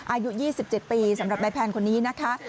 อายุ๒๗ปีสำหรับนายแพนคนนี้นะคะ